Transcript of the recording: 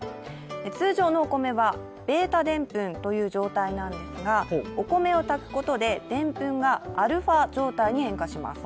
通常のお米はβ−でんぷんという状態なんですが、お米を炊くことででんぷんがα状態に変換します。